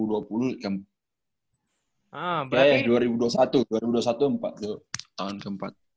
tahun keempat tuh tahun keempat